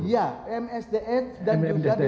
ya msdh dan juga